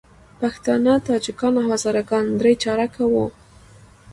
پښتانه، تاجکان او هزاره ګان درې چارکه وو.